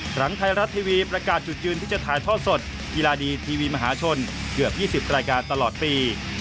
หลังไทยรัฐทีวีประกาศจุดยืนที่จะถ่ายทอดสดกีฬาดีทีวีมหาชนเกือบ๒๐รายการตลอดปี